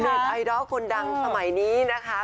ไอดอลคนดังสมัยนี้นะคะ